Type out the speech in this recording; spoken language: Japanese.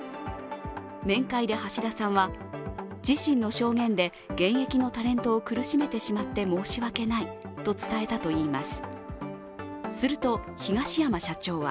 面会で橋田さんは自身の証言で現役のタレントを苦しめてしまって申し訳ないと伝えたといいます。